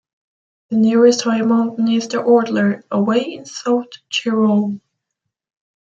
The nearest higher mountain is the Ortler, away in South Tyrol.